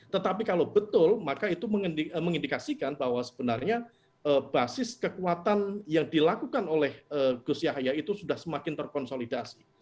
tetapi kalau betul maka itu mengindikasikan bahwa sebenarnya basis kekuatan yang dilakukan oleh gus yahya itu sudah semakin terkonsolidasi